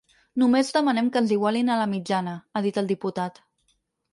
Només demanem que ens igualin a la mitjana, ha dit el diputat.